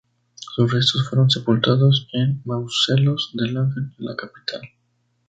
Sus restos fueron sepultados en Mausoleos del Ángel en la capital.